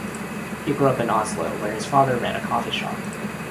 He grew up in Oslo, where his father ran a coffee shop.